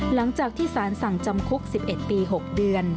หลังจากที่สารสั่งจำคุก๑๑ปี๖เดือน